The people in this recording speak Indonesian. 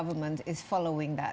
pemerintah mengejar itu